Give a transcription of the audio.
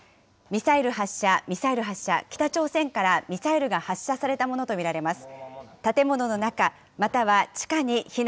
ミサイル発射、ミサイル発射、北朝鮮からミサイルが発射されたものと見られます。